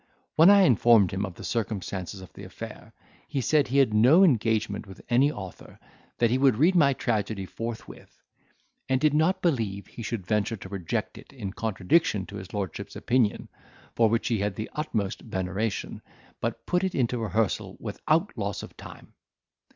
When I informed him of the circumstances of the affair, he said, he had no engagement with any author; that he would read my tragedy forthwith; and did not believe he should venture to reject it in contradiction to his lordship's opinion, for which he had the utmost veneration, but put it into rehearsal without loss of time.